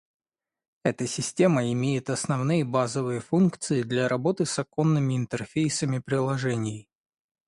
Эта система имеет основные базовые функции для работы с оконными интерфейсами приложений